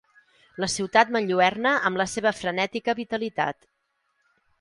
La ciutat m'enlluerna amb la seva frenètica vitalitat.